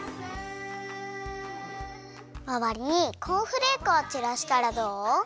まわりにコーンフレークをちらしたらどう？